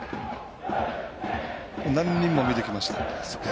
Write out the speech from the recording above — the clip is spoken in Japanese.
何人も見てきました。